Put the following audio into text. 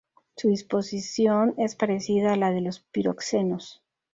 Su disposición es parecida a la de los piroxenos.